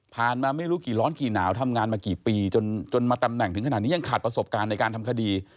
มาไม่รู้กี่ร้อนกี่หนาวทำงานมากี่ปีจนมาตำแหน่งถึงขนาดนี้ยังขาดประสบการณ์ในการทำคดี